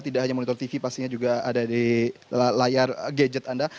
tidak hanya monitor tv pastinya juga ada di layar gadget anda